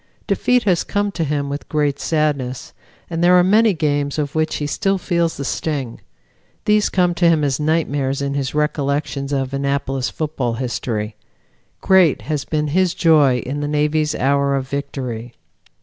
Defeat has come to him with great sadness, and there are many games of which he still feels the sting; these come to him as nightmares in his recollections of Annapolis football history. Great has been his joy in the Navy's hour of victory.